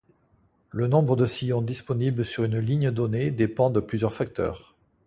Le nombre de sillons disponibles sur une ligne donnée dépend de plusieurs facteurs.